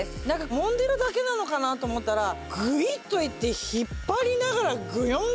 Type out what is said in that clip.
もんでるだけなのかなと思ったらぐいっといって引っ張りながらぐよん